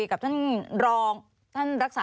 มีความรู้สึกว่ามีความรู้สึกว่า